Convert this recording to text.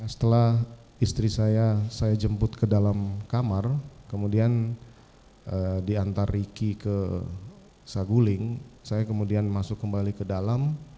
setelah istri saya saya jemput ke dalam kamar kemudian diantar riki ke saguling saya kemudian masuk kembali ke dalam